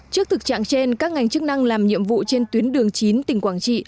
trước thực trạng trên các ngành chức năng làm nhiệm vụ trên tuyến đường chín tỉnh quảng trị